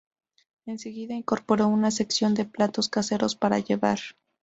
Enseguida incorporó una sección de platos caseros para llevar.